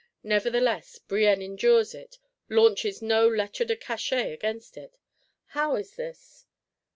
Nevertheless Brienne endures it, launches no Lettre de Cachet against it. How is this?